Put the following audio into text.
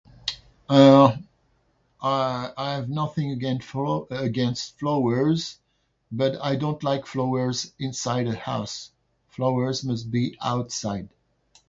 Uh, I I have nothing again flow- against flowers, but I don't like flowers inside a house. Flowers must be outside.